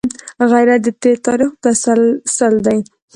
غیرت د تېر تاریخ تسلسل دی